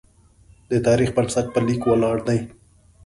د تاریخ بنسټ په لیک ولاړ دی.